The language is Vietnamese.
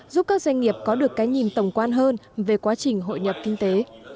giúp các doanh nghiệp có được cái nhìn tổng quan hơn về quá trình hội nhập kinh tế